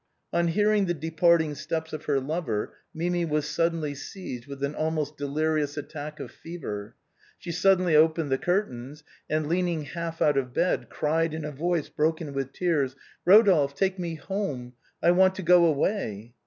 On hearing the departing steps of her lover, Mimi was sud denly seized with an almost delirious attack of fever. She suddenly opened the curtains, and, leaning half out of bed, cried in a voice broken with tears: " Eodolphe, take me home, I want to go away."